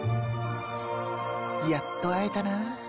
やっと会えたな。